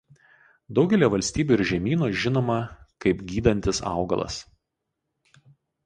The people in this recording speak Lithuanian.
Daugelyje valstybių ir žemynų žinoma kaip gydantis augalas.